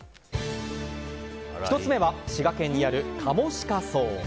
１つ目は滋賀県にあるかもしか荘。